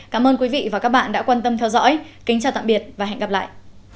cảm ơn các bạn đã theo dõi và hẹn gặp lại